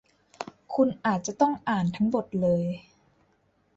คุณอาจจะต้องอ่านทั้งบทเลย